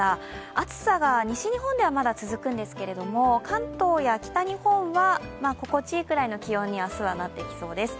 暑さが西日本ではまだ続くんですけれども関東や北日本は心地いいくらいの気温に明日はなってきそうです。